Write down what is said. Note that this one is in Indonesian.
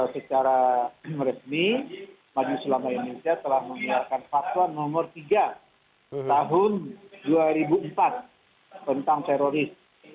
secara resmi maju selama indonesia telah mengeluarkan fatwa nomor tiga tahun dua ribu empat tentang teroris